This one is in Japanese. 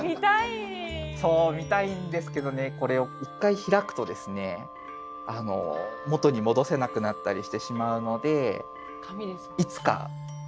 そう見たいんですけどねこれを一回開くと元に戻せなくなったりしてしまうのでいつかこの仏様を開ける時が来たら。